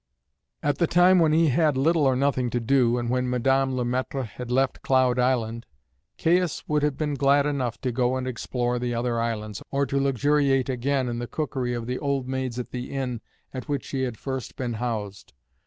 At the time when he had little or nothing to do, and when Madame Le Maître had left Cloud Island, Caius would have been glad enough to go and explore the other islands, or to luxuriate again in the cookery of the old maids at the inn at which he had first been housed.